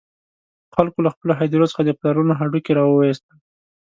خلکو له خپلو هدیرو څخه د پلرونو هډوکي را وویستل.